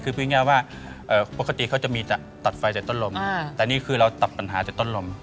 คือพูดง่ายว่าปกติเขาจะมีตัดไฟจากต้นลมแต่นี่คือเราตัดปัญหาจากต้นลม